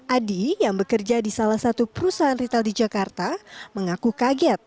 adi yang bekerja di salah satu perusahaan retail di jakarta mengaku kaget